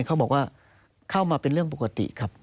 เขาบอกว่าเข้ามาเป็นเรื่องปกติครับ